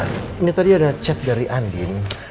ini tadi ada chat dari andin